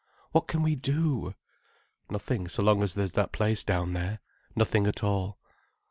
"What can we do?" "Nothing so long as there's that place down there. Nothing at all."